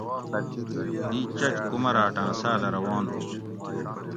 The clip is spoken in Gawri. دی چچ کُمراۤٹاۤں ساۤلہ روان ہُو